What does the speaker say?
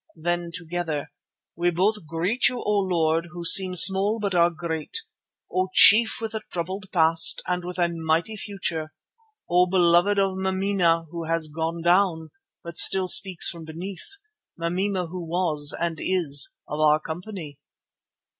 Then together, "We both greet you, O Lord, who seem small but are great, O Chief with a troubled past and with a mighty future, O Beloved of Mameena who has 'gone down' but still speaks from beneath, Mameena who was and is of our company."